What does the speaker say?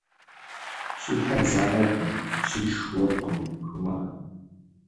Си хьэ дзакъэркъым, сиш уэркъым жумыӏэ.